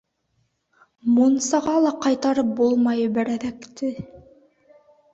Мунсаға ла ҡайтарып булмай берәҙәкте.